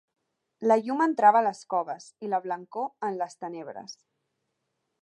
La llum entrava a les coves, i la blancor en les tenebres